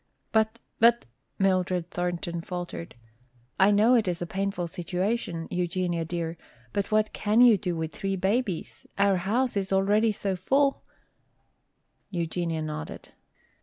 "But, but," Mildred Thornton faltered. "I know it is a painful situation, Eugenia dear, but what can you do with three babies? Our house is already so full " Eugenia nodded.